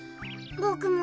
ボクも。